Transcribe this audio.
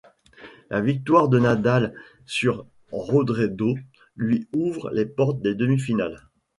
La victoire de Nadal sur Robredo lui ouvre les portes des demi-finales.